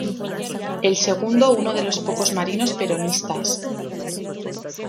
El segundo uno de los pocos marinos peronistas.